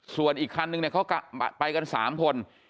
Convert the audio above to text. ส่วนอีกคันนึงเนี่ยเขาไปกัน๓คน